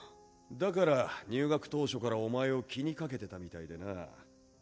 だから入学当初からお前を気にかけてたみたいでな。